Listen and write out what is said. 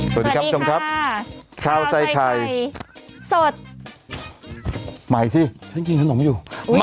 สวัสดีครับคุณผู้ชมครับข้าวใส่ไข่สดใหม่สิฉันกินขนมอยู่